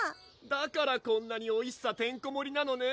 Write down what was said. だからこんなにおいしさてんこ盛りなのね